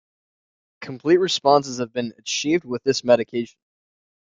Complete responses have been achieved with this medication.